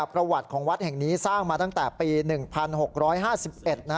ประวัติของวัดแห่งนี้สร้างมาตั้งแต่ปี๑๖๕๑